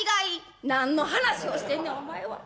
「何の話をしてんねんお前は。